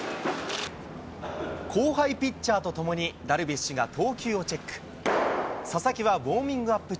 後輩ピッチャーとともに、ダルビッシュが投球をチェック。